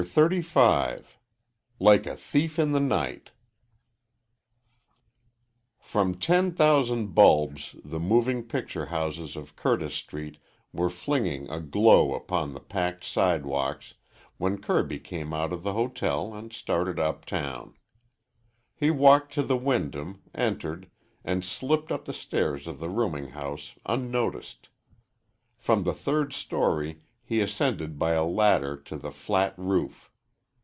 CHAPTER XXXV LIKE A THIEF IN THE NIGHT From ten thousand bulbs the moving picture houses of Curtis Street were flinging a glow upon the packed sidewalks when Kirby came out of the hotel and started uptown. He walked to the Wyndham, entered, and slipped up the stairs of the rooming house unnoticed. From the third story he ascended by a ladder to the flat roof.